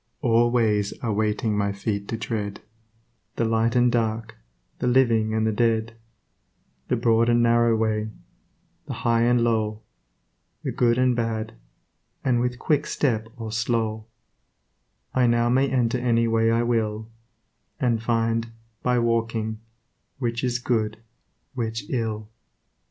All ways are waiting for my feet to tread, The light and dark, the living and the dead, The broad and narrow way, the high and low, The good and bad, and with quick step or slow, I now may enter any way I will, And find, by walking, which is good, which ill.